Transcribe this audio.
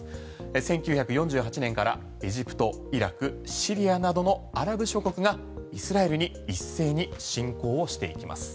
１９４８年からエジプト、イラクシリアなどのアラブ諸国がイスラエルに一斉に侵攻をしていきます。